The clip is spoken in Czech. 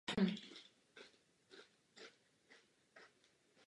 Nová školní budova byla vystavěna blíže středu obce nad železniční tratí.